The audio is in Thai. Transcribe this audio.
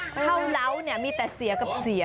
เข้าเล้าเนี่ยมีแต่เสียกับเสีย